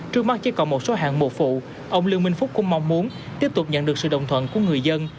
trước mắt chỉ còn một số hạng mùa phụ ông lương minh phúc cũng mong muốn tiếp tục nhận được sự đồng thuận của người dân